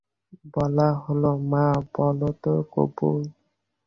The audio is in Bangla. বলা হল, মা, বল তো কবুল।